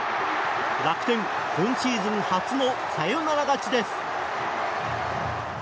楽天、今シーズン初のサヨナラ勝ちです！